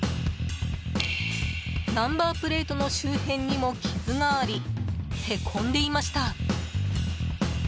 ナンバープレートの周辺にも傷があり、へこんでいました。